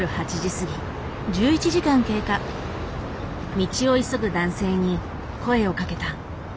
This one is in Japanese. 道を急ぐ男性に声をかけた。